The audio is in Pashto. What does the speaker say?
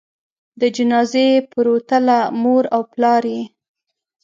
د جنازې پروتله؛ مور او پلار یې